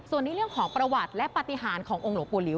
ส่วนในเรื่องของประวัติและปฏิหารขององค์หลวงปู่หิว